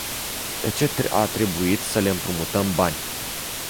De ce a trebuit să le împrumutăm bani?